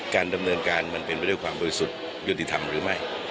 การดำเนินการมันเป็นไปด้วยความบริสุทธิ์ยุติธรรมหรือไม่